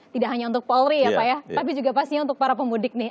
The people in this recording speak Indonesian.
tidak hanya untuk polri ya pak ya tapi juga pastinya untuk para pemudik nih